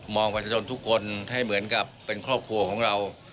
ประชาชนทุกคนให้เหมือนกับเป็นครอบครัวของเรา